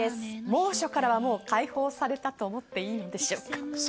猛暑からは解放されたと思っていいんでしょうか？